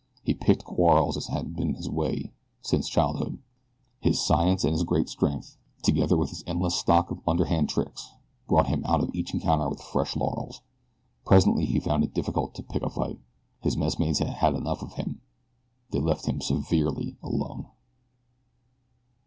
He picked quarrels, as had been his way since childhood. His science and his great strength, together with his endless stock of underhand tricks brought him out of each encounter with fresh laurels. Presently he found it difficult to pick a fight his messmates had had enough of him. They left him severely alone.